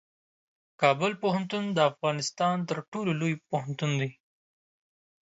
کابل پوهنتون د افغانستان تر ټولو لوی پوهنتون دی.